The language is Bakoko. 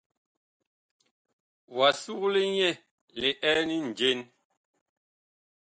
Wa sugle nyɛ liɛn njen ?